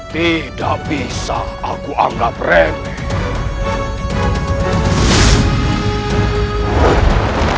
tidak bisa aku anggap remeh